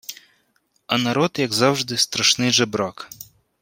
А народ, як завжди, страшний жебрак